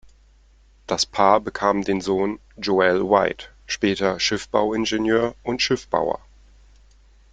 Das Paar bekam den Sohn Joel White, später Schiffbauingenieur und Schiffbauer.